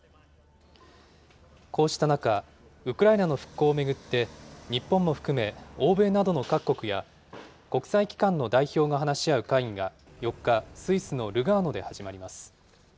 こうした中、ウクライナの復興を巡って、日本も含め、欧米などの各国や国際機関の代表が話し合う会議が４日、スイスのルガーノで始まります。